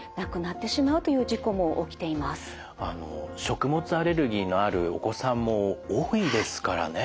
あの食物アレルギーのあるお子さんも多いですからね。